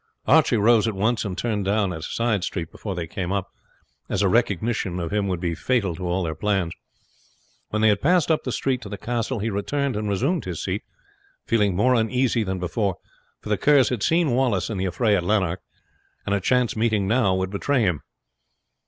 Archie rose at once, and turned down at a side street before they came up, as a recognition of him would be fatal to all their plans. When they had passed up the street to the castle he returned and resumed his seat, feeling more uneasy than before, for the Kerrs had seen Wallace in the affray at Lanark, and a chance meeting now would betray him.